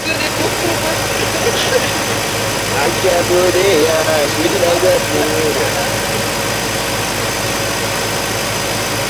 aah mimi napenda kuambia kwamba ambao hawapendi huo urembo